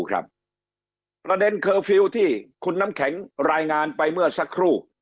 ประเด็นเคอร์ฟิลล์ที่คุณน้ำแข็งรายงานไปเมื่อสักครู่